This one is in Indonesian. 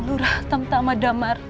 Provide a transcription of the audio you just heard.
lurah tamtama damar